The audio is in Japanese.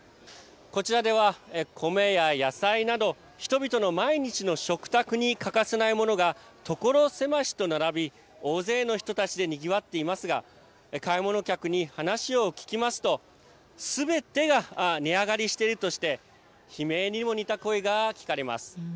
こちらでは、米や野菜など人々の毎日の食卓に欠かせないものが所狭しと並び大勢の人たちでにぎわっていますが買い物客に話を聞きますとすべてが値上がりしているとして悲鳴にも似た声が聞かれます。